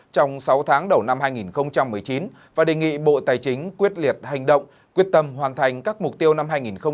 trong sáu tháng đầu năm hai nghìn một mươi chín và đề nghị bộ tài chính quyết liệt hành động quyết tâm hoàn thành các mục tiêu năm hai nghìn hai mươi